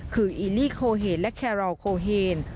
คืออีนี่โคเฮนและแครอลโคเฮน